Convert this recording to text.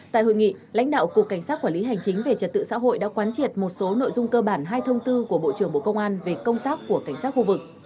tại hội nghị lãnh đạo cục cảnh sát quản lý hành chính về trật tự xã hội đã quán triệt một số nội dung cơ bản hai thông tư của bộ trưởng bộ công an về công tác của cảnh sát khu vực